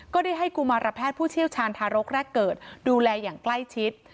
ก็ได้ให้กุมารแพทย์ผู้เชี่ยวชาญทารกแรกเกิดดูแลอย่างใกล้ชิด